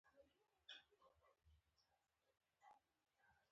ماشوم د مور غېږ ته لاړ.